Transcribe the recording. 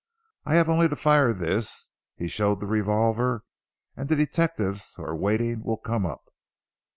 I have only to fire this," he showed the revolver "and the detectives who are waiting will come up."